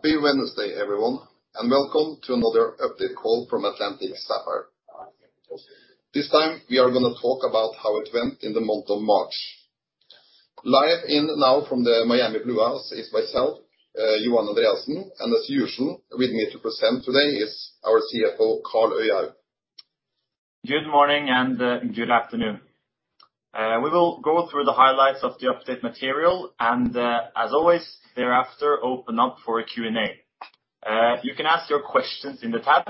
Happy Wednesday, everyone, and welcome to another update call from Atlantic Sapphire. This time we are gonna talk about how it went in the month of March. Live in now from the Miami Bluehouse is myself, Johan Andreassen. As usual, with me to present today is our CFO, Karl Øyehaug. Good morning and good afternoon. We will go through the highlights of the update material and, as always, thereafter open up for a Q&A. You can ask your questions in the tab,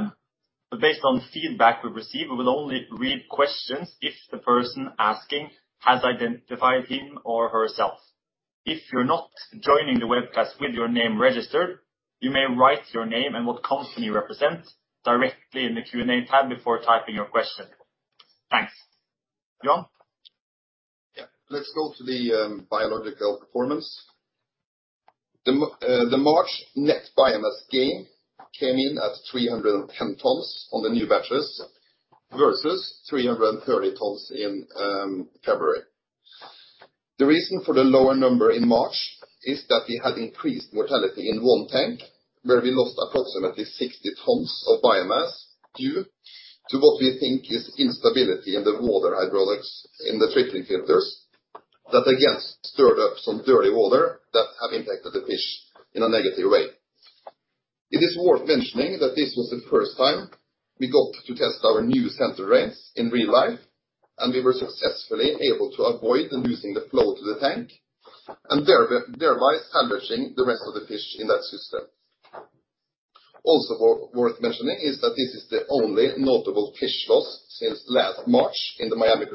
but based on feedback we've received, we will only read questions if the person asking has identified him or herself. If you're not joining the webcast with your name registered, you may write your name and what company you represent directly in the Q&A tab before typing your question. Thanks. Johan? Yeah. Let's go to the biological performance. The March net biomass gain came in at 310 tons on the new batches versus 330 tons in February. The reason for the lower number in March is that we had increased mortality in one tank, where we lost approximately 60 tons of biomass due to what we think is instability in the water hydraulics in the trickling filters that, again, stirred up some dirty water that have impacted the fish in a negative way. It is worth mentioning that this was the first time we got to test our new center drains in real life, and we were successfully able to avoid losing the flow to the tank and thereby salvaging the rest of the fish in that system. Also worth mentioning is that this is the only notable fish loss since last March in the Miami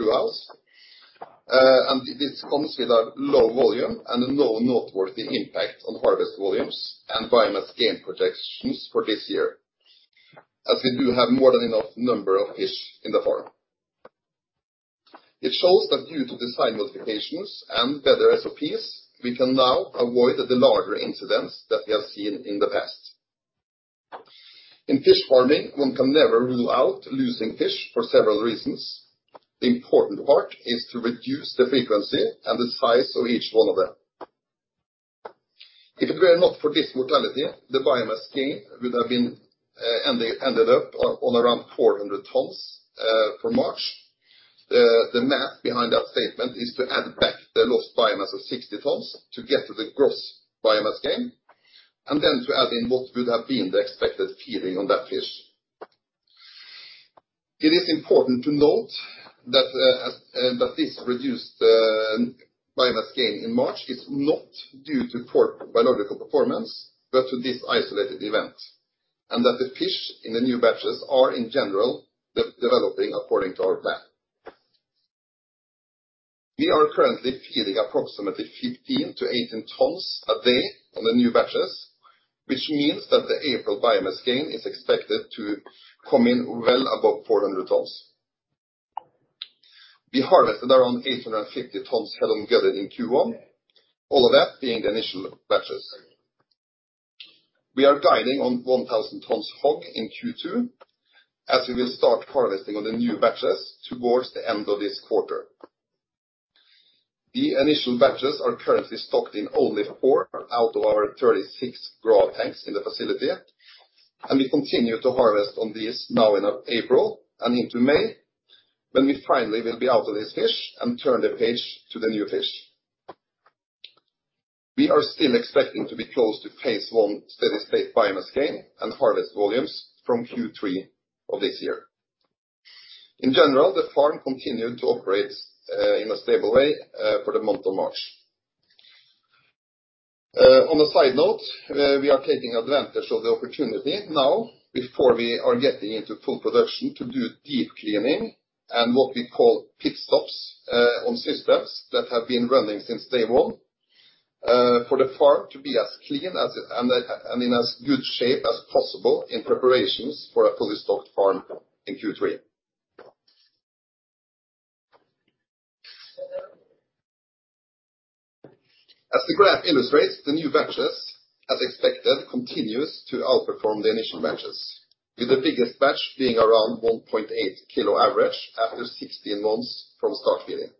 Bluehouse. It is considered low volume and low noteworthy impact on harvest volumes and biomass gain projections for this year, as we do have more than enough number of fish in the farm. It shows that due to design modifications and better SOPs, we can now avoid the larger incidents that we have seen in the past. In fish farming, one can never rule out losing fish for several reasons. The important part is to reduce the frequency and the size of each one of them. If it were not for this mortality, the biomass gain would have ended up on around 400 tons for March. The math behind that statement is to add back the lost biomass of 60 tons to get to the gross biomass gain, and then to add in what would have been the expected feeding on that fish. It is important to note that this reduced biomass gain in March is not due to poor biological performance, but to this isolated event, and that the fish in the new batches are in general developing according to our plan. We are currently feeding approximately 15-18 tons a day on the new batches, which means that the April biomass gain is expected to come in well above 400 tons. We harvested around 850 tons head-on gutted in Q1, all of that being the initial batches. We are guiding on 1,000 tons HOG in Q2, as we will start harvesting on the new batches towards the end of this quarter. The initial batches are currently stocked in only four out of our 36 grow tanks in the facility, and we continue to harvest on these now in April and into May, when we finally will be out of this fish and turn the page to the new fish. We are still expecting to be close to phase one steady state biomass gain and harvest volumes from Q3 of this year. In general, the farm continued to operate in a stable way for the month of March. On a side note, we are taking advantage of the opportunity now before we are getting into full production to do deep cleaning and what we call pit stops on systems that have been running since day one for the farm to be as clean as it and in as good shape as possible in preparations for a fully stocked farm in Q3. As the graph illustrates, the new batches, as expected, continues to outperform the initial batches, with the biggest batch being around 1.8 kg average after 16 months from start feeding.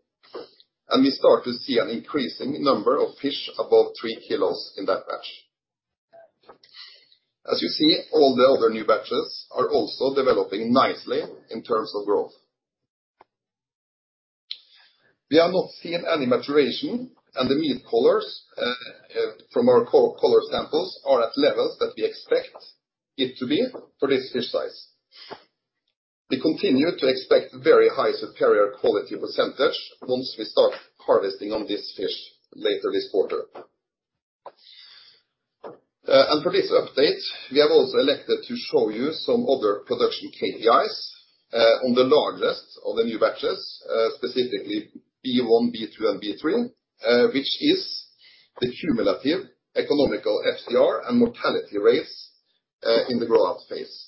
We start to see an increasing number of fish above 3 kg in that batch. As you see, all the other new batches are also developing nicely in terms of growth. We have not seen any maturation, and the meat colors from our color samples are at levels that we expect it to be for this fish size. We continue to expect very high superior quality percentage once we start harvesting on this fish later this quarter. For this update, we have also elected to show you some other production KPIs on the largest of the new batches, specifically B1, B2, and B3, which is the cumulative economic FCR and mortality rates in the grow out phase.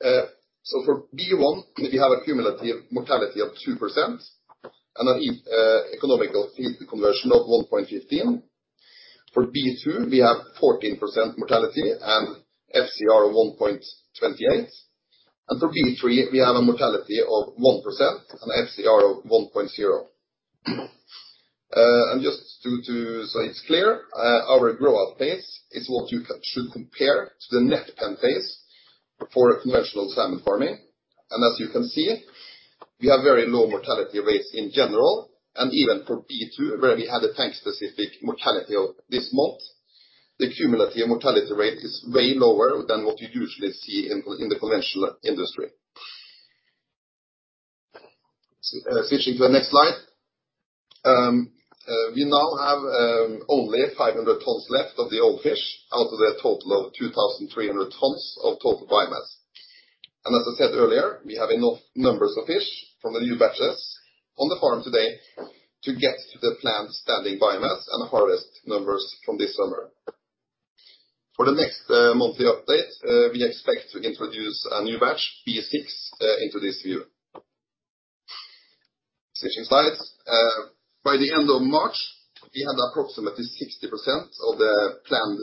For B1 we have a cumulative mortality of 2% and an economic feed conversion of 1.15. For B2 we have 14% mortality and FCR of 1.28. And for B3, we have a mortality of 1% and FCR of 1.0. Just so it's clear, our grow out phase is what you should compare to the net pen phase for a conventional salmon farming. As you can see, we have very low mortality rates in general, and even for B2, where we had a tank-specific mortality of this month, the cumulative mortality rate is way lower than what you usually see in the conventional industry. Switching to the next slide. We now have only 500 tons left of the old fish out of their total of 2,300 tons of total biomass. As I said earlier, we have enough numbers of fish from the new batches on the farm today to get to the planned standing biomass and the harvest numbers from this summer. For the next monthly update, we expect to introduce a new batch, B6, into this view. Switching slides. By the end of March, we had approximately 60% of the planned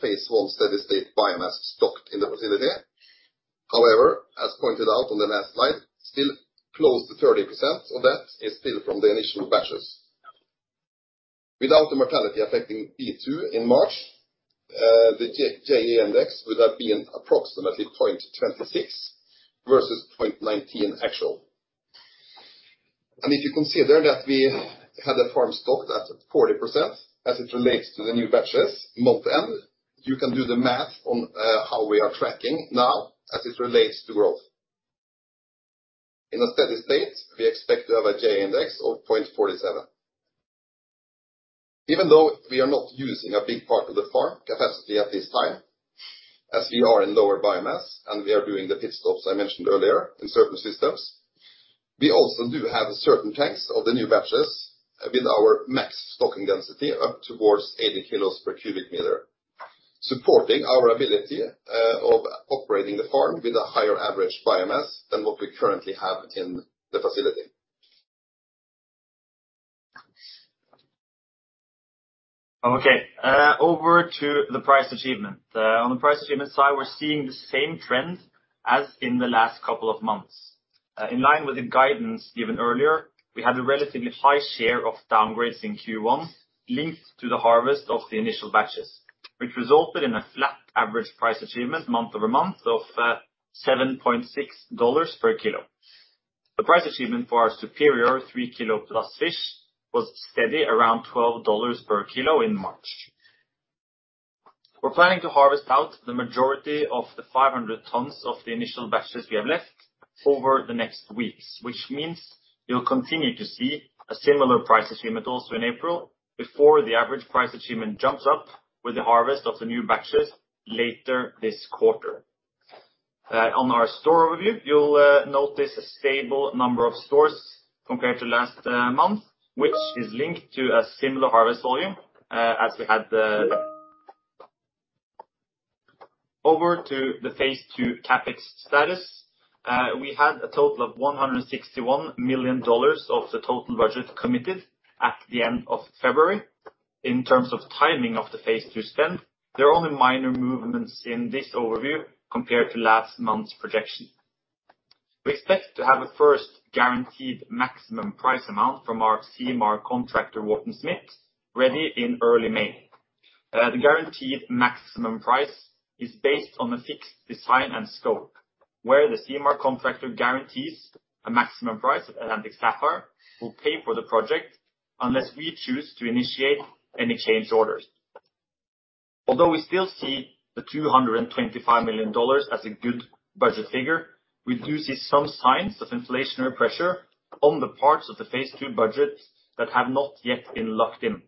phase one steady-state biomass stocked in the facility. However, as pointed out on the last slide, still close to 30% of that is still from the initial batches. Without the mortality affecting B2 in March, the J index would have been approximately 0.26 versus 0.19 actual. If you consider that we had a farm stocked at 40% as it relates to the new batches month end, you can do the math on how we are tracking now as it relates to growth. In a steady state, we expect to have a J index of 0.47. Even though we are not using a big part of the farm capacity at this time, as we are in lower biomass, and we are doing the pit stops I mentioned earlier in certain systems, we also do have certain tanks of the new batches with our max stocking density up towards 80 kilos per cubic meter, supporting our ability of operating the farm with a higher average biomass than what we currently have in the facility. Okay. Over to the price achievement. On the price achievement side, we're seeing the same trends as in the last couple of months. In line with the guidance given earlier, we had a relatively high share of downgrades in Q1 linked to the harvest of the initial batches, which resulted in a flat average price achievement month-over-month of $7.6 per kilo. The price achievement for our superior 3 kg plus fish was steady around $12 per kilo in March. We're planning to harvest out the majority of the 500 tons of the initial batches we have left over the next weeks, which means you'll continue to see a similar price achievement also in April before the average price achievement jumps up with the harvest of the new batches later this quarter. On our stock review, you'll notice a stable number of stocks compared to last month, which is linked to a similar harvest volume as we had. Over to the phase two CapEx status. We had a total of $161 million of the total budget committed at the end of February. In terms of timing of the phase two spend, there are only minor movements in this overview compared to last month's projection. We expect to have a first guaranteed maximum price amount from our CMAR contractor, Wharton-Smith, ready in early May. The guaranteed maximum price is based on a fixed design and scope, where the CMAR contractor guarantees a maximum price Atlantic Sapphire will pay for the project unless we choose to initiate any change orders. Although we still see the $225 million as a good budget figure, we do see some signs of inflationary pressure on the parts of the phase two budget that have not yet been locked in.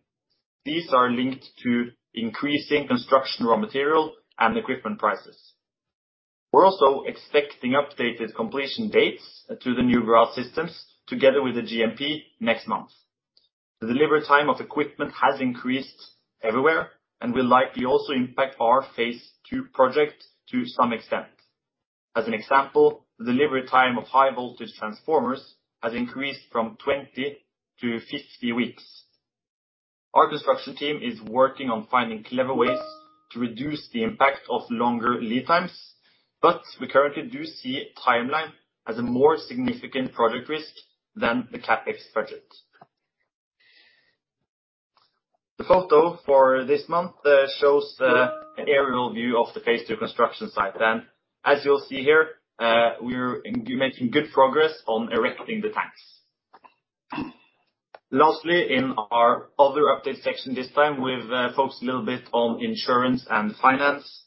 These are linked to increasing construction raw material and equipment prices. We're also expecting updated completion dates to the new grow out systems together with the GMP next month. The delivery time of equipment has increased everywhere and will likely also impact our phase two project to some extent. As an example, the delivery time of high voltage transformers has increased from 20-50 weeks. Our construction team is working on finding clever ways to reduce the impact of longer lead times, but we currently do see timeline as a more significant project risk than the CapEx budget. The photo for this month shows the aerial view of the phase two construction site. As you'll see here, we're making good progress on erecting the tanks. Lastly, in our other update section this time, we've focused a little bit on insurance and finance.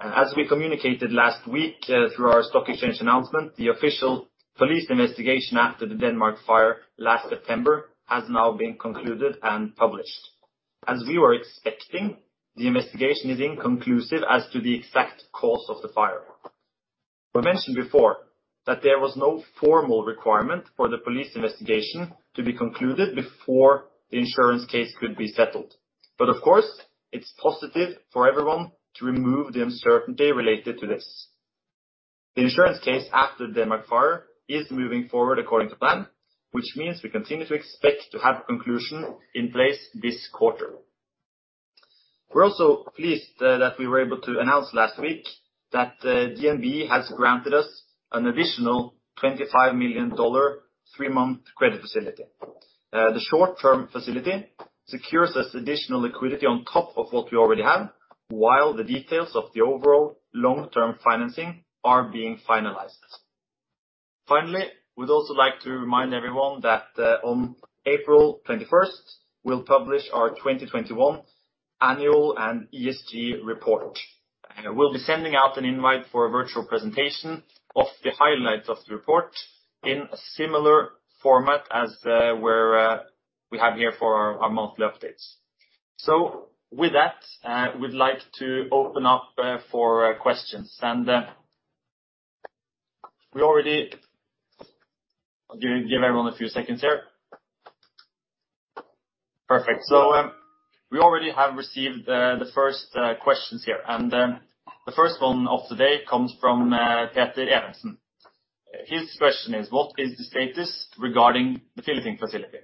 As we communicated last week, through our stock exchange announcement, the official police investigation after the Denmark fire last September has now been concluded and published. As we were expecting, the investigation is inconclusive as to the exact cause of the fire. We mentioned before that there was no formal requirement for the police investigation to be concluded before the insurance case could be settled. Of course, it's positive for everyone to remove the uncertainty related to this. The insurance case after the Denmark fire is moving forward according to plan, which means we continue to expect to have a conclusion in place this quarter. We're also pleased that we were able to announce last week that DNB has granted us an additional $25 million three-month credit facility. The short-term facility secures us additional liquidity on top of what we already have, while the details of the overall long-term financing are being finalized. Finally, we'd also like to remind everyone that on April 21, we'll publish our 2021 annual and ESG report. We'll be sending out an invite for a virtual presentation of the highlights of the report in a similar format as we have here for our monthly updates. With that, we'd like to open up for questions. We already... Give everyone a few seconds here. Perfect. We already have received the first questions here, and the first one of the day comes from Peter Evensen. His question is, what is the status regarding the filleting facility?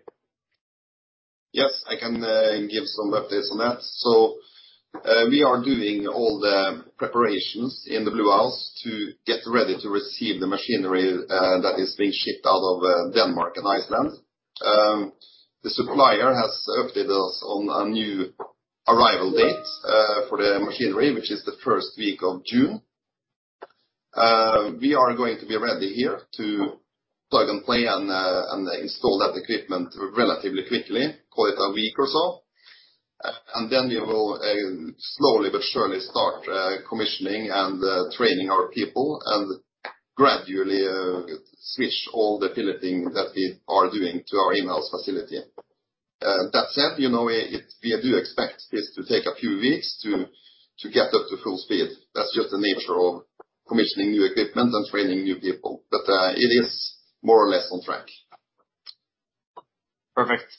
Yes, I can give some updates on that. We are doing all the preparations in the Blue House to get ready to receive the machinery that is being shipped out of Denmark and Iceland. The supplier has updated us on a new arrival date for the machinery, which is the first week of June. We are going to be ready here to plug and play and install that equipment relatively quickly, call it a week or so. Then we will slowly but surely start commissioning and training our people and gradually switch all the filleting that we are doing to our in-house facility. That said, you know, we do expect this to take a few weeks to get up to full speed. That's just the nature of commissioning new equipment and training new people. It is more or less on track. Perfect.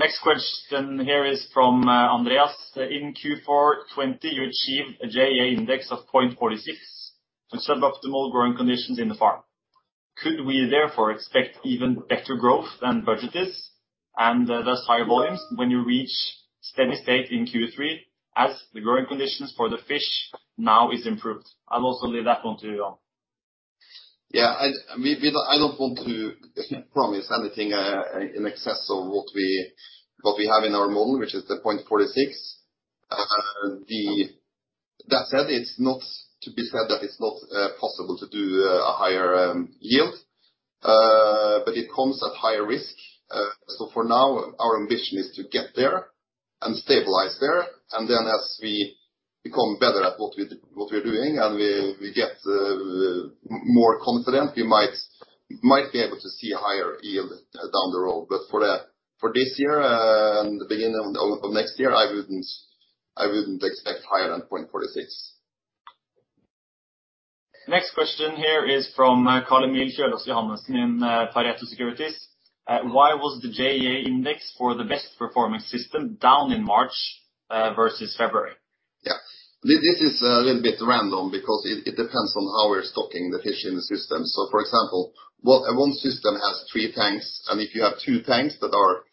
Next question here is from Andreas. In Q4 2020, you achieved a JEA index of 0.46 and suboptimal growing conditions in the farm. Could we therefore expect even better growth than budgeted, and thus higher volumes when you reach steady state in Q3 as the growing conditions for the fish now is improved? I'll also leave that one to you all. I don't want to promise anything in excess of what we have in our model, which is 0.46. That said, it's not to be said that it's not possible to do a higher yield, but it comes at higher risk. For now, our ambition is to get there and stabilize there, and then as we become better at what we are doing, and we get more confident, we might be able to see higher yield down the road. For this year and the beginning of next year, I wouldn't expect higher than 0.46. Next question here is from Carl-Emil Kjølås Johansen in Pareto Securities. Why was the JEA index for the best performing system down in March versus February? This is a little bit random because it depends on how we're stocking the fish in the system. For example, one system has three tanks, and if you have two tanks that are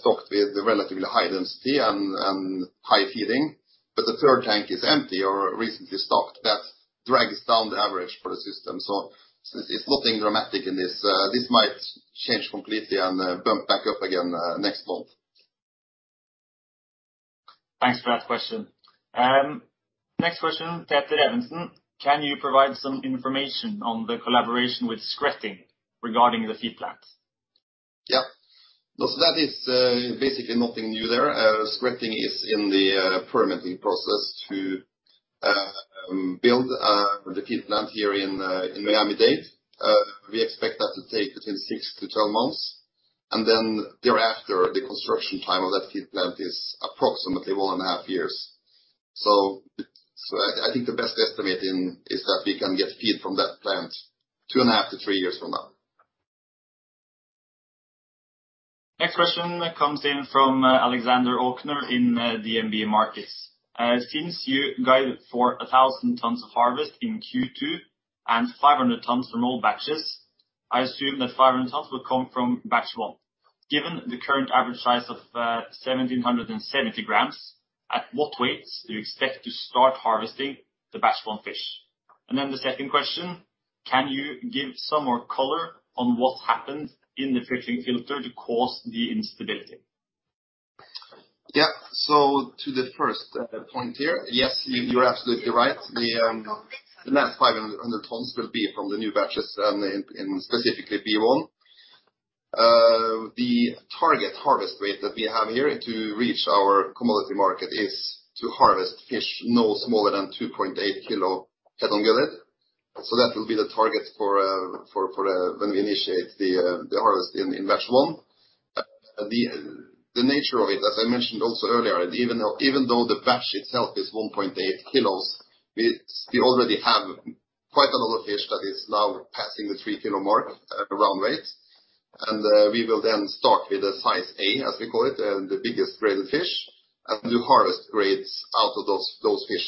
stocked with relatively high density and high feeding, but the third tank is empty or recently stocked, that drags down the average for the system. It's nothing dramatic in this. This might change completely and bump back up again next month. Thanks for that question. Next question, Peter Evensen. Can you provide some information on the collaboration with Skretting regarding the feed plant? That is basically nothing new there. Skretting is in the permitting process to build the feed plant here in Miami-Dade. We expect that to take between 6-12 months, and then thereafter, the construction time of that feed plant is approximately 1.5 years. I think the best estimate is that we can get feed from that plant 2.5-3 years from now. Next question comes in from Alexander Aukner in DNB Markets. Since you guided for 1,000 tons of harvest in Q2 and 500 tons from all batches, I assume that 500 tons will come from batch one. Given the current average size of 1,770 grams, at what weights do you expect to start harvesting the batch one fish? And then the second question, can you give some more color on what happened in the trickling filter to cause the instability? Yeah. To the first point here, yes, you're absolutely right. The next 500 tons will be from the new batches and in specifically B1. The target harvest weight that we have here to reach our commodity market is to harvest fish no smaller than 2.8 kg head-on gutted. That will be the target for when we initiate the harvest in batch one. The nature of it, as I mentioned also earlier, even though the batch itself is 1.8 kg, we already have quite a lot of fish that is now passing the 3 kg mark, round weight. We will then start with a size A, as we call it, the biggest grade of fish, and do harvest grades out of those fish.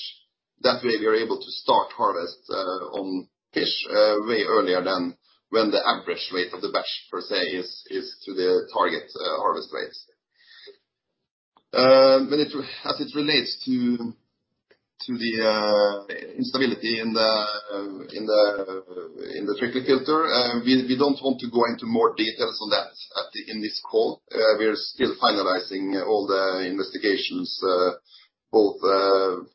That way we are able to start harvest on fish way earlier than when the average weight of the batch per se is to the target harvest rates. As it relates to the instability in the trickle filter, we don't want to go into more details on that in this call. We are still finalizing all the investigations both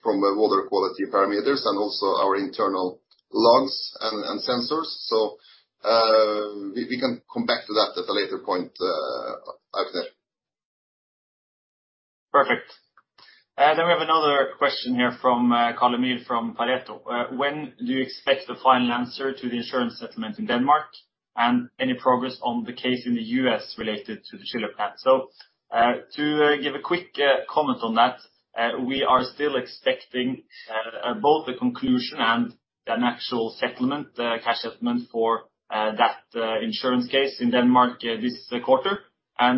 from a water quality parameters and also our internal logs and sensors. We can come back to that at a later point, Alex. Perfect. We have another question here from Colin Mull from Pareto. When do you expect the final answer to the insurance settlement in Denmark, and any progress on the case in the U.S. related to the chiller plant? To give a quick comment on that, we are still expecting both the conclusion and an actual settlement, cash settlement for that insurance case in Denmark this quarter. As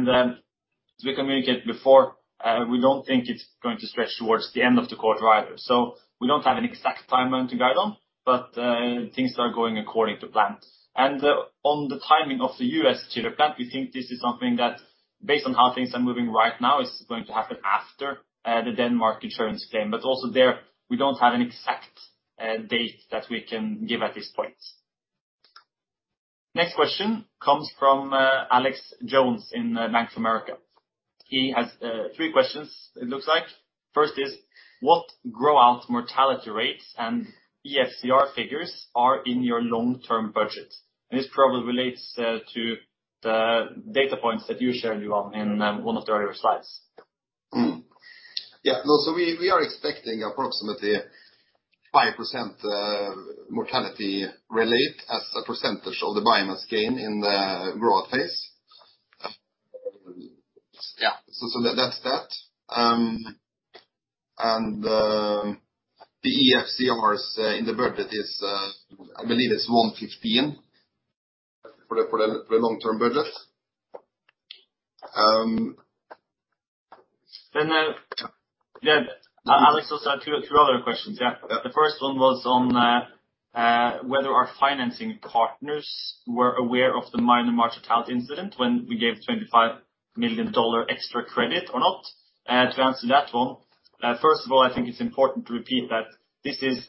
we communicated before, we don't think it's going to stretch towards the end of the quarter either. We don't have an exact timeline to guide on, but things are going according to plan. On the timing of the U.S. chiller plant, we think this is something that, based on how things are moving right now, is going to happen after the Denmark insurance claim. Also there, we don't have an exact date that we can give at this point. Next question comes from Alexander Jones in Bank of America. He has three questions, it looks like. First is, what grow out mortality rates and EFCR figures are in your long-term budget? This probably relates to the data points that you shared, Johan, in one of the earlier slides. We are expecting approximately 5% mortality related as a percentage of the biomass gain in the grow out phase. Yeah. That's that. The EFCRs in the budget is, I believe it's 1.15 for the long-term budget. Then, uh... Yeah. Yeah. Alex also had two other questions, yeah. Yeah. The first one was on whether our financing partners were aware of the minor March mortality incident when they gave us $25 million extra credit or not. To answer that one, first of all, I think it's important to repeat that this is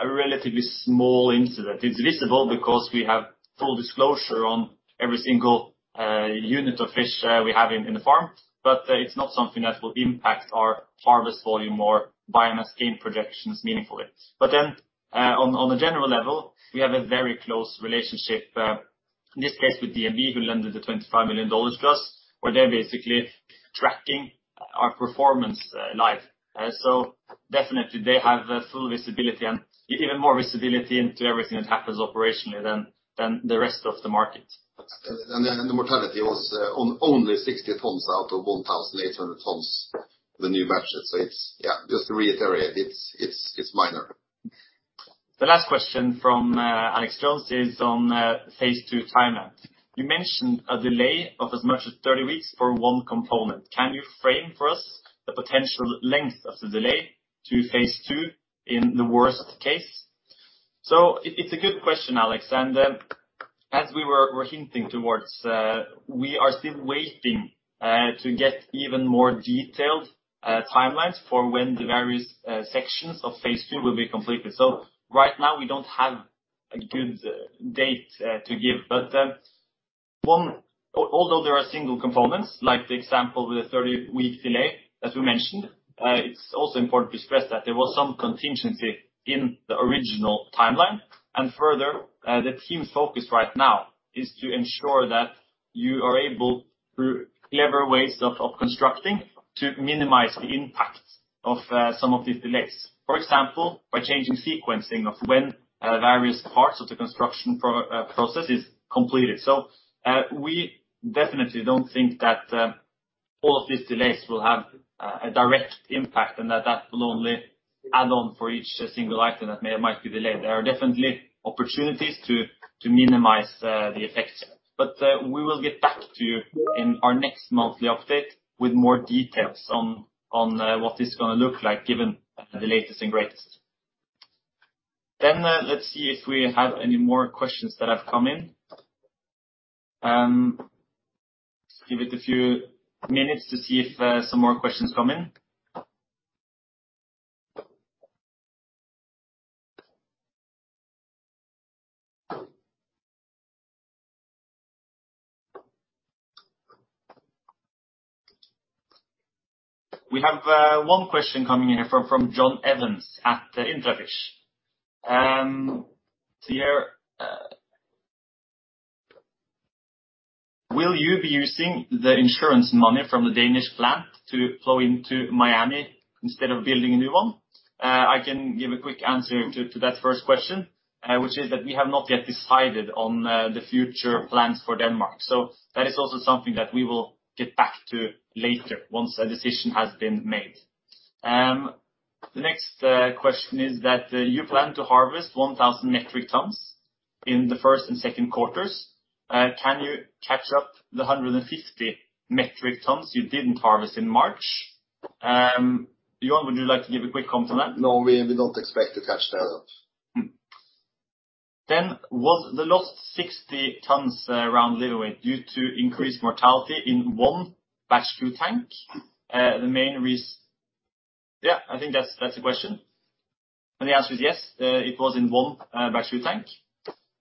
a relatively small incident. It's visible because we have full disclosure on every single unit of fish we have in the farm, but it's not something that will impact our harvest volume or biomass gain projections meaningfully. On a general level, we have a very close relationship in this case with DNB who lent the $25 million to us, where they're basically tracking our performance live. Definitely they have full visibility and even more visibility into everything that happens operationally than the rest of the market. The mortality was on only 60 tons out of 1,800 tons, the new batches. Just to reiterate, it's minor. The last question from Alexander Jones is on phase two timeline. You mentioned a delay of as much as 30 weeks for one component. Can you frame for us the potential length of the delay to phase two in the worst case? It's a good question, Alex. We're hinting towards we are still waiting to get even more detailed timelines for when the various sections of phase two will be completed. Right now we don't have a good date to give. Although there are single components, like the example with a 30-week delay, as we mentioned, it's also important to stress that there was some contingency in the original timeline. Further, the team's focus right now is to ensure that you are able, through clever ways of constructing, to minimize the impact of some of these delays. For example, by changing sequencing of when various parts of the construction process is completed. We definitely don't think that all of these delays will have a direct impact and that will only add on for each single item that might be delayed. There are definitely opportunities to minimize the effects. We will get back to you in our next monthly update with more details on what this is gonna look like given the latest and greatest. Let's see if we have any more questions that have come in. Give it a few minutes to see if some more questions come in. We have one question coming in from John Evans at IntraFish. Will you be using the insurance money from the Danish plant to flow into Miami instead of building a new one? I can give a quick answer to that first question, which is that we have not yet decided on the future plans for Denmark. That is also something that we will get back to later once a decision has been made. The next question is that you plan to harvest 1,000 metric tons in the first and second quarters. Can you catch up the 150 metric tons you didn't harvest in March? John, would you like to give a quick comment on that? No, we don't expect to catch that up. That was the last 60 tons a little light due to increased mortality in one batch through tank? Yeah, I think that's the question. The answer is yes. It was in one batch through tank.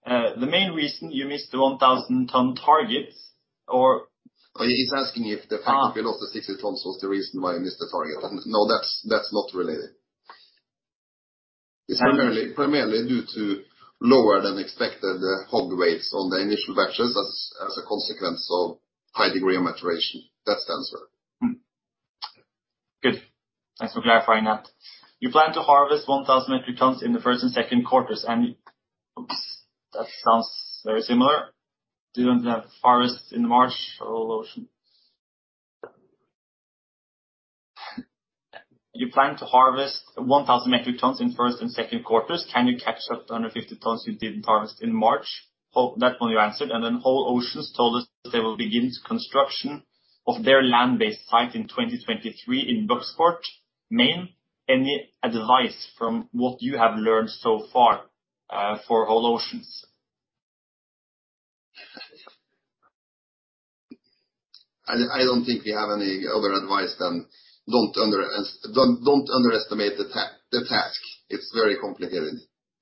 The main reason you missed the 1,000-ton target or- Oh, he's asking if the fact that. Ah. We lost the 60 tons was the reason why you missed the target. No, that's not related. Um- It's primarily due to lower than expected hog weights on the initial batches as a consequence of high degree of maturation. That's the answer. Good. Thanks for clarifying that. You plan to harvest 1,000 metric tons in the first and second quarters. You don't have harvest in March or ocean. Can you catch up to under 50 tons you didn't harvest in March? I hope that one you answered, and then Whole Oceans told us that they will begin construction of their land-based site in 2023 in Bucksport, Maine. Any advice from what you have learned so far for Whole Oceans? I don't think we have any other advice than don't underestimate the task. It's very complicated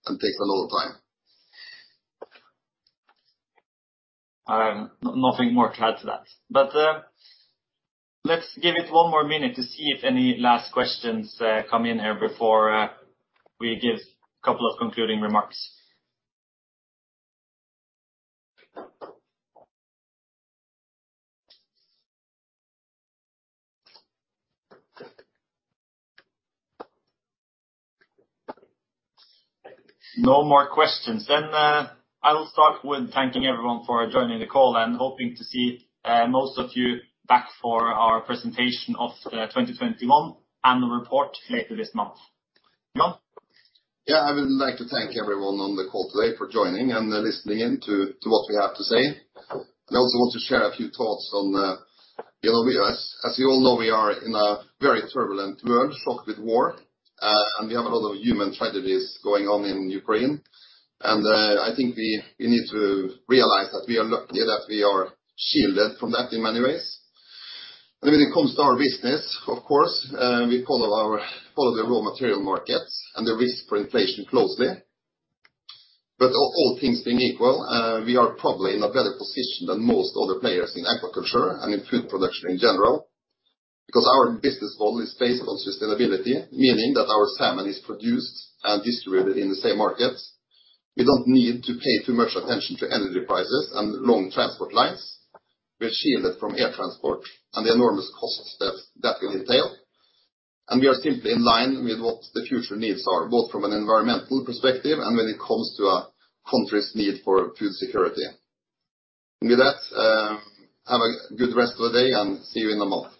and takes a lot of time. Nothing more to add to that. Let's give it one more minute to see if any last questions come in here before we give a couple of concluding remarks. No more questions. I will start with thanking everyone for joining the call and hoping to see most of you back for our presentation of the 2021 annual report later this month. John? Yeah. I would like to thank everyone on the call today for joining and listening in to what we have to say. I also want to share a few thoughts on, you know, as you all know, we are in a very turbulent world struck with war, and we have a lot of human tragedies going on in Ukraine. I think we need to realize that we are lucky that we are shielded from that in many ways. When it comes to our business, of course, we follow the raw material markets and the risk for inflation closely. All things being equal, we are probably in a better position than most other players in agriculture and in food production in general, because our business model is based on sustainability, meaning that our salmon is produced and distributed in the same markets. We don't need to pay too much attention to energy prices and long transport lines. We're shielded from air transport and the enormous costs that that will entail. And we are simply in line with what the future needs are, both from an environmental perspective and when it comes to a country's need for food security. With that, have a good rest of the day, and see you in a month.